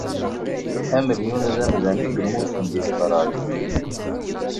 Amelyun d amdan i yemmuten di ṭṭrad.